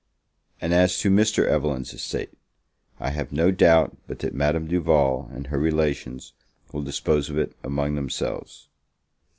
And as to Mr. Evelyn's estate, I have no doubt but that Madame Duval and her relations will dispose of it among themselves.